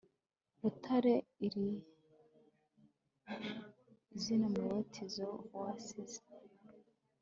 butare ! iri zina, umubatizo w'abasizi